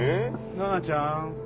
奈々ちゃん。